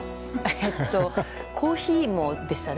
えっとコーヒーもでしたよね。